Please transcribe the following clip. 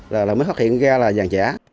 là mới phát hiện ra là vàng giả